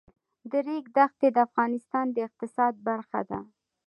د ریګ دښتې د افغانستان د اقتصاد برخه ده.